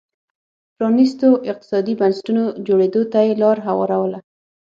پرانيستو اقتصادي بنسټونو جوړېدو ته یې لار هواروله.